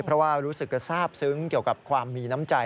เพราะว่ารู้สึกจะทราบซึ้งเกี่ยวกับความมีน้ำใจ